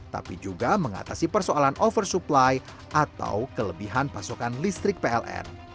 tapi juga mengatasi persoalan oversupply atau kelebihan pasokan listrik pln